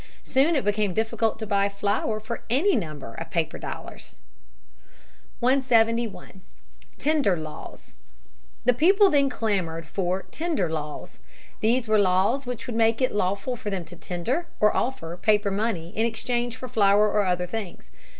Soon it became difficult to buy flour for any number of paper dollars. [Sidenote: Tender laws.] 171 Tender Laws. The people then clamored for "tender laws." These were laws which would make it lawful for them to tender, or offer, paper money in exchange for flour or other things.